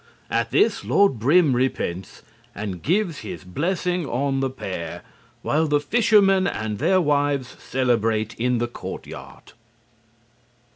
At this, Lord Brym repents and gives his blessing on the pair, while the fishermen and their wives celebrate in the courtyard.